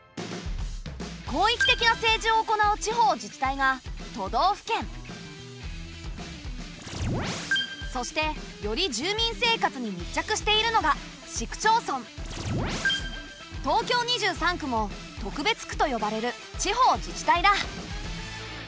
広域的な政治を行う地方自治体がそしてより住民生活に密着しているのが東京２３区も特別区と呼ばれる地方自治体だ。